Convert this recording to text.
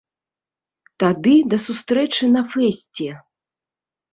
Тады да сустрэчы на фэсце!